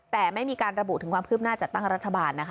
แต่ไม่มีการระบุถึงความคืบหน้าจัดตั้งรัฐบาลนะคะ